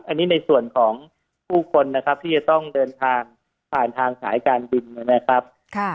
อันนี้ในส่วนของผู้คนนะครับที่จะต้องเดินทางผ่านทางสายการบินนะครับ